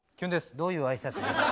どういう挨拶ですか？